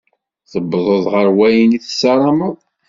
Tewwḍeḍ ɣer wayen i tessarameḍ?